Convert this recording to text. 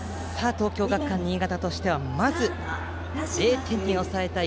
東京学館新潟としてはまず、０点に抑えたい